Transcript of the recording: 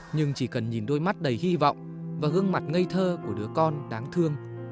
nhưng chỉ cần nhìn đôi mắt đầy hy vọng và gương mặt ngây thơ của đứa con đáng thương